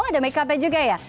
oh ada make upnya juga ya